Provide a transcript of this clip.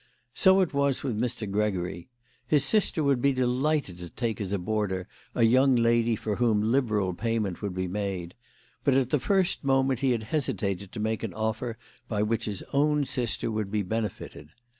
So it was with Mr. Gregory. His sister would be delighted to take as a boarder a young lady for whom liberal payment would be made ; but at the first moment he had hesitated to make an offer by which his own sister would be bene fited.